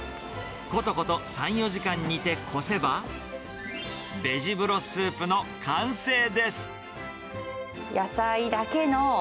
ことこと３、４時間煮て、こせば、ベジブロススープの完成です。